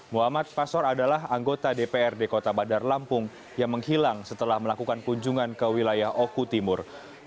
muhammad pasor adalah anggota dprd kota bandar lampung yang menghilang setelah melakukan kunjungan ke wilayah oku timur